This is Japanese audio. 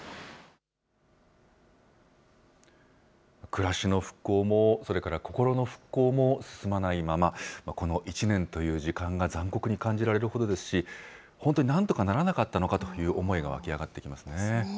暮らしの復興も、それから心の復興も進まないまま、この１年という時間が残酷に感じられるほどですし、本当になんとかならなかったのかという思いが湧き上がってきますね。